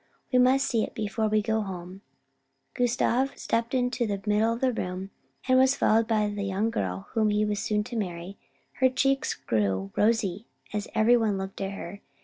"We must see it before we go home." Gustav stepped out into the middle of the room and was followed by the young girl whom he was soon to marry. Her cheeks grew rosy as every one looked at her.